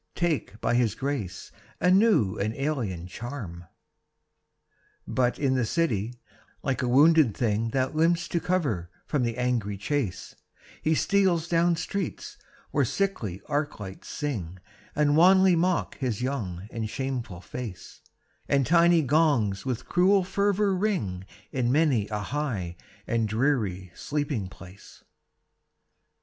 Take by his grace a new and alien charm. But in the city, like a wounded thing That limps to cover from the angry chase, He steals down streets where sickly arc lights sing, And wanly mock his young and shameful face; And tiny gongs with cruel fervor ring In many a high and dreary sleeping place.